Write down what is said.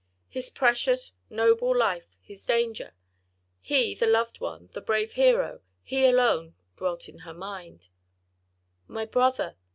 His precious, noble life, his danger—he, the loved one, the brave hero, he alone dwelt in her mind. "My brother!"